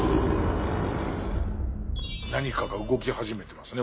何かが動き始めてますね